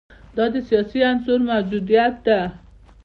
دا د سیاسي عنصر موجودیت ده.